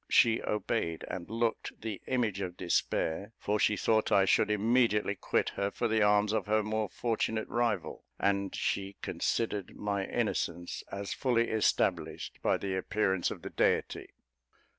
She obeyed, and looked the image of despair, for she thought I should immediately quit her for the arms of her more fortunate rival, and she considered my innocence as fully established by the appearance of the deity.